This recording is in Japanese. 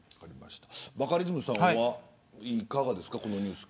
バカリズムさんはいかがですか、このニュース。